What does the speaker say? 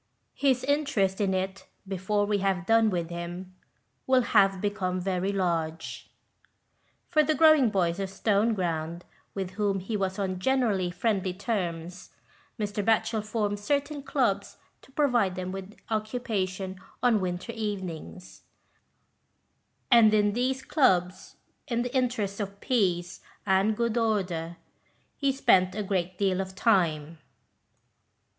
His interest in it, before we have done with him, will have become very large. For the growing boys of Stoneground, with whom he was on generally friendly terms, Mr. Batchel formed certain clubs to provide them with occupation on winter evenings; and in these clubs, in the interests of peace and good order, he spent a great deal of time.